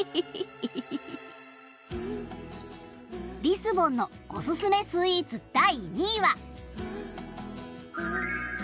リスボンのおすすめスイーツ第２位は。